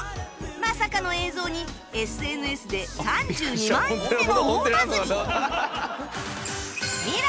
まさかの映像に ＳＮＳ で３２万いいねの大バズり！